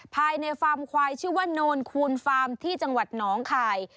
ภายในฟาร์มควายชื่อว่าโนนคูณฟาร์มที่จังหวัดหนองคาย